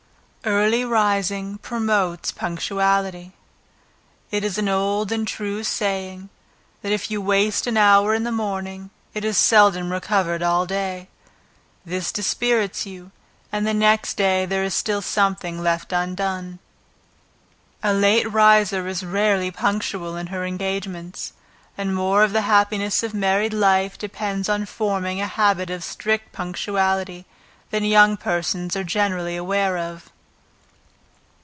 Early Rising Promotes Punctuality. It is an old and true saying, "that if you waste an hour in the morning, it is seldom recovered all that day." This dispirits you, and the next day there is still something left undone. A late riser is rarely punctual in her engagements, and more of the happiness of married life depends on forming a habit of strict punctuality, than young persons are generally aware of.